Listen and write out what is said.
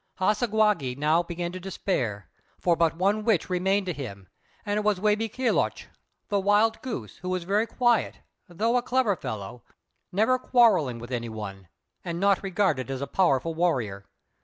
Hassagwākq' now began to despair, for but one witch remained to him, and that was Wābe kèloch, the Wild Goose, who was very quiet, though a clever fellow, never quarrelling with any one, and not regarded as a powerful warrior.